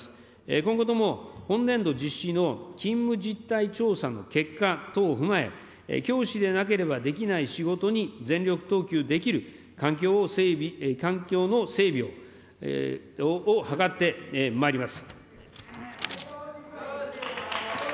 今後とも本年度実施の勤務実態調査の結果等を踏まえ、教師でなければできない仕事に全力投球できる環境の整備を図ってまいります。